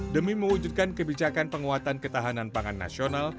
demi mewujudkan kebijakan penguatan ketahanan pangan nasional